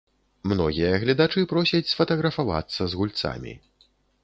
Многія гледачы просяць сфатаграфавацца з гульцамі.